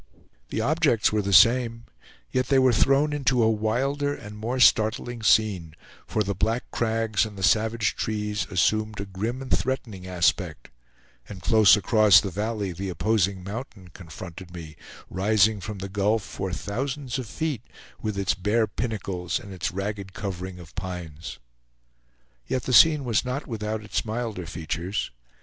The objects were the same, yet they were thrown into a wilder and more startling scene, for the black crags and the savage trees assumed a grim and threatening aspect, and close across the valley the opposing mountain confronted me, rising from the gulf for thousands of feet, with its bare pinnacles and its ragged covering of pines. Yet the scene was not without its milder features.